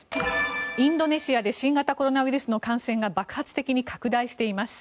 インドネシアで新型コロナウイルスの感染が爆発的に拡大しています。